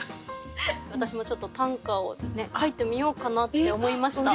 私もちょっと短歌を書いてみようかなって思いました。